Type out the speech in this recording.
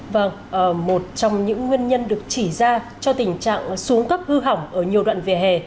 vâng một trong những nguyên nhân được chỉ ra cho tình trạng xuống cấp hư hỏng ở nhiều đoạn vỉa hè